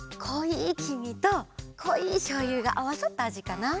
いきみとこいしょうゆがあわさったあじかな。